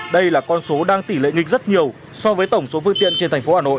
đây là con số đang tỷ lệ nghịch rất nhiều so với tổng số phương tiện trên thành phố hà nội